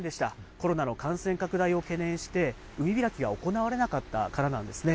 コロナの感染拡大を懸念して、海開きが行われなかったからなんですね。